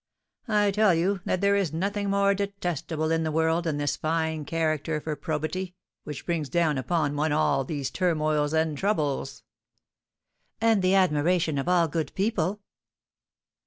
I tell you that there is nothing more detestable in the world than this fine character for probity, which brings down upon one all these turmoils and troubles." "And the admiration of all good people."